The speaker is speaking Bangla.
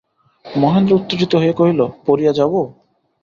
মহেন্দ্র উত্তেজিত হইয়া কহিল, পড়িয়া যাব?